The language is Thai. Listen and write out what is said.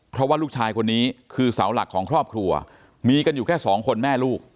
เพราะว่าลูกชายคนนี้คือเสาหลักของครอบครัวมีกันอยู่แค่สองคนแม่ลูก